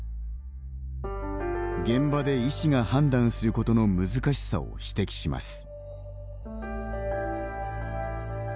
現場で医師が判断することの難しさを指摘します。